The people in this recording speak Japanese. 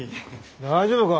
大丈夫か？